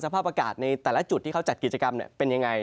ภาพอากาศในแต่ละจุดที่เขาจัดกิจกรรมเป็นยังไง